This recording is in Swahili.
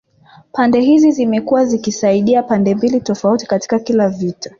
Pande hizi zimekuwa zikisaidia pande mbili tofauti katika kila vita